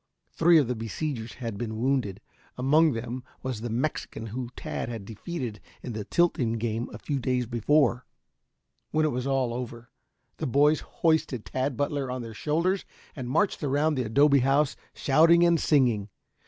Three of the besiegers had been wounded. Among them, was the Mexican whom Tad had defeated in the tilting game a few days before. When all was over, the boys hoisted Tad Butler on their shoulders and marched around the adobe house shouting and singing. Mr.